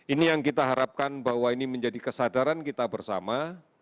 ini yang kita harapkan bahwa ini menjadi kesadaran kita bersama